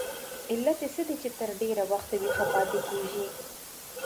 علت یې څه دی چې تر ډېره وخته ویښه پاتې کیږي؟